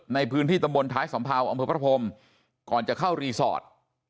ในพื้นที่ตำบลท้ายสัมเภาอำเภอพระพรมก่อนจะเข้ารีสอร์ท